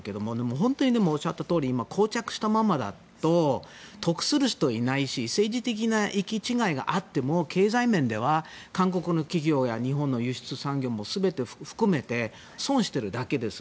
本当におっしゃったとおり膠着したままだと得する人いないし政治的な行き違いがあっても経済面では韓国の企業や日本の輸出産業も全て含めて損しているだけです。